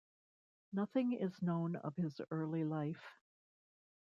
Nothing is known of his early life.